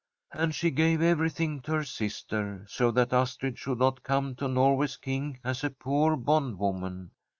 And she gave every thing to her sister, so that Astrid should not come to Norway's King as a poor bondwoman.